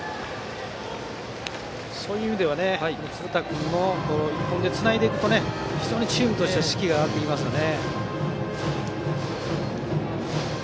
そういう意味では鶴田君がつないでいくと非常にチームとしては士気が上がってきますね。